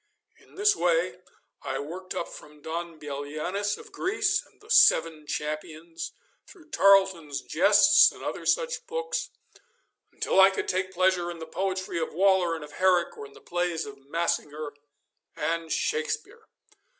In this way I worked up from Don Bellianis of Greece and the 'Seven Champions,' through Tarleton's 'Jests' and other such books, until I could take pleasure in the poetry of Waller and of Herrick, or in the plays of Massinger and Shakespeare.